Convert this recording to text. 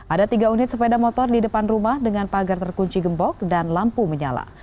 ada tiga unit sepeda motor di depan rumah dengan pagar terkunci gembok dan lampu menyala